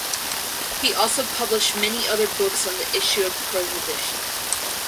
He also published many other books on the issue of Prohibition.